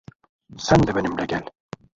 Sen de benimle gel.